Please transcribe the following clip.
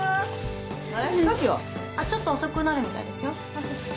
ちょっと遅くなるみたいですよ。